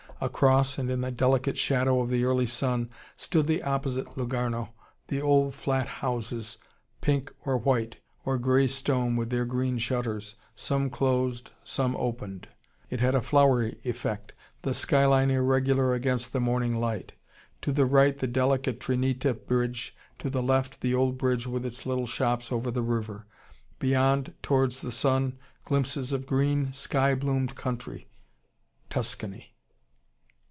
Across, and in the delicate shadow of the early sun, stood the opposite Lungarno, the old flat houses, pink, or white, or grey stone, with their green shutters, some closed, some opened. It had a flowery effect, the skyline irregular against the morning light. To the right the delicate Trinita bridge, to the left, the old bridge with its little shops over the river. Beyond, towards the sun, glimpses of green, sky bloomed country: Tuscany.